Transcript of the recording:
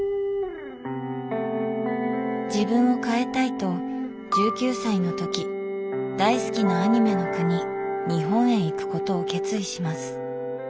自分を変えたいと１９歳の時大好きなアニメの国日本へ行くことを決意します。